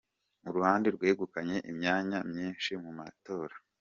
Uruhande rwegukanye imyanya myinshi mu matora